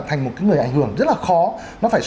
thành một cái người ảnh hưởng rất là khó